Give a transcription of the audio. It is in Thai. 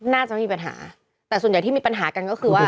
น่าจะไม่มีปัญหาแต่ส่วนใหญ่ที่มีปัญหากันก็คือว่า